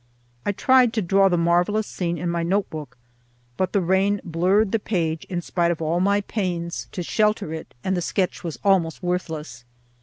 I tried to draw the marvelous scene in my note book, but the rain blurred the page in spite of all my pains to shelter it, and the sketch was almost worthless.